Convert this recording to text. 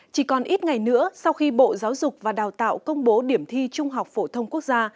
chỉ còn ít ngày nữa sau khi bộ giáo dục và đào tạo công bố điểm thi trung học phổ thông quốc gia